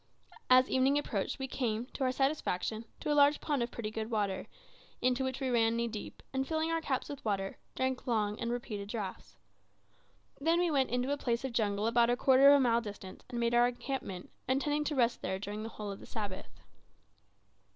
As evening approached we came, to our satisfaction, to a large pond of pretty good water, into which we ran knee deep, and filling our caps with water, drank long and repeated draughts. Then we went into a piece of jungle about a quarter of a mile distant, and made our encampment, intending to rest there during the whole of the Sabbath.